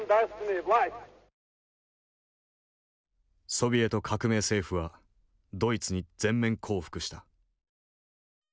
ソビエト革命政府はドイツに全面降伏した。